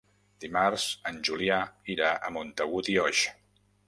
Dimarts en Julià irà a Montagut i Oix.